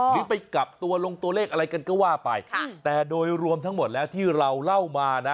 หรือไปกลับตัวลงตัวเลขอะไรกันก็ว่าไปค่ะแต่โดยรวมทั้งหมดแล้วที่เราเล่ามานะ